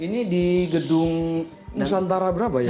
ini di gedung nusantara berapa ya